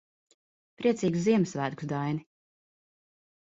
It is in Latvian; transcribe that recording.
Priecīgus Ziemassvētkus, Daini.